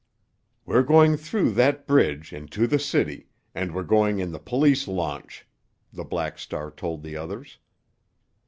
"We're going through that bridge and to the city, and we're going in the police launch," the Black Star told the others.